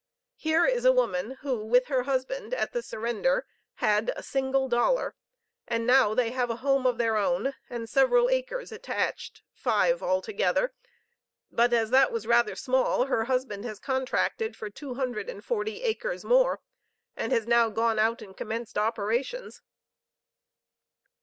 Here is a woman who, with her husband, at the surrender, had a single dollar; and now they have a home of their own, and several acres attached five altogether; but, as that was rather small, her husband has contracted for two hundred and forty acres more, and has now gone out and commenced operations."